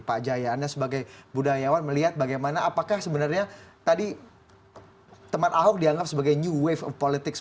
pak jaya anda sebagai budayawan melihat bagaimana apakah sebenarnya tadi teman ahok dianggap sebagai new wave of politics